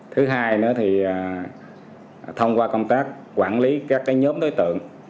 thứ hai nữa thì thông qua công tác quản lý các nhóm đối tượng